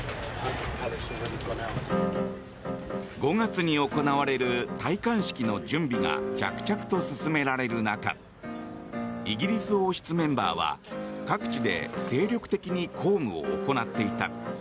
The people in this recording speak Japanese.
５月に行われる戴冠式の準備が着々と進められる中イギリス王室メンバーは、各地で精力的に公務を行っていた。